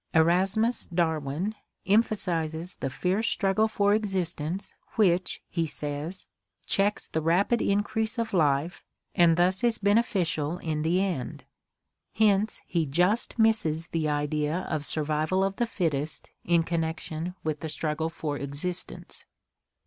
Erasmus Darwin emphasizes the fierce struggle for existence which, he says, checks the rapid increase of life and thus is ben eficial in the end; hence he just misses the idea of survival of the fittest in connection with the struggle for existence.